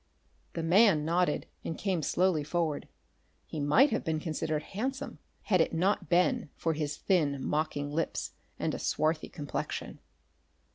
The man nodded and came slowly forward. He might have been considered handsome, had it not been for his thin, mocking lips and a swarthy complexion.